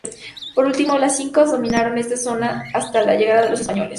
Por último, los incas dominaron esta zona hasta la llegada de los españoles.